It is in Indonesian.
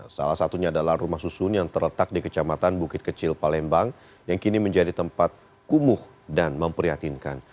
salah satunya adalah rumah susun yang terletak di kecamatan bukit kecil palembang yang kini menjadi tempat kumuh dan memprihatinkan